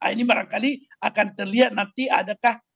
ini barangkali akan terlihat nanti adakah